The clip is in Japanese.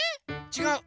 ちがう。